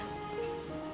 saya mau kerja di sini